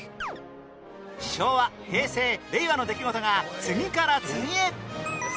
昭和平成令和の出来事が次から次へ